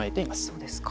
そうですか。